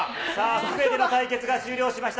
すべての対決が終了しました。